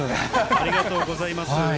ありがとうございます。